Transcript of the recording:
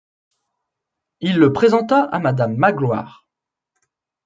Il le présenta à madame Magloire.